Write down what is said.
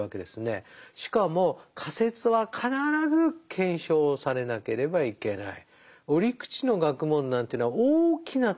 しかも仮説は必ず検証されなければいけない。